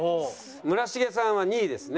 村重さんは２位ですね。